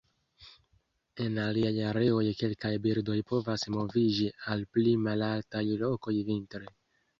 En aliaj areoj, kelkaj birdoj povas moviĝi al pli malaltaj lokoj vintre.